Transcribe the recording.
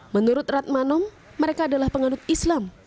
menurut ratmanom mereka adalah penganut islam